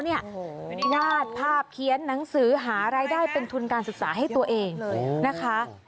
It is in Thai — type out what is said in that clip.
วาดภาพเขียนหนังสือหารายได้เป็นทุนการศึกษาให้ตัวเองเลยนะคะ